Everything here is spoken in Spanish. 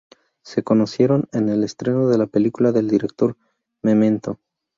Se conocieron en el estreno de la película del director, "Memento".